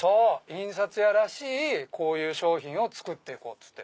印刷屋らしいこういう商品を作っていこう！っつって。